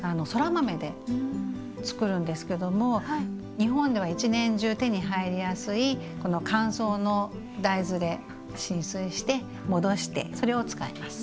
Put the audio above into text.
日本では一年中手に入りやすいこの乾燥の大豆で浸水して戻してそれを使います。